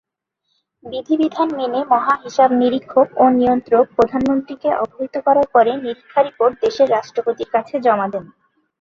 বিধি বিধান মেনে মহা হিসাব নিরীক্ষক ও নিয়ন্ত্রক প্রধানমন্ত্রীকে অবহিত করার পরে নিরীক্ষা রিপোর্ট দেশের রাষ্ট্রপতির কাছে জমা দেন।